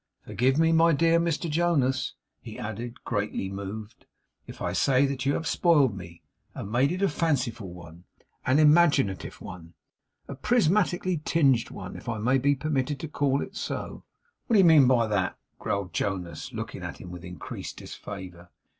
Forgive me, my dear Mr Jonas,' he added, greatly moved, 'if I say that you have spoiled me, and made it a fanciful one; an imaginative one; a prismatically tinged one, if I may be permitted to call it so.' 'What do you mean by that?' growled Jonas, looking at him with increased disfavour.